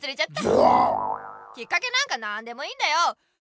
ズコーッ！きっかけなんか何でもいいんだよ。